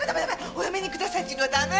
お嫁にくださいっていうのはダメ！